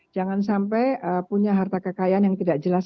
jangan sampai punya harta kekayaan yang tidak jelas